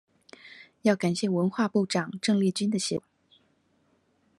要感謝文化部長鄭麗君的協助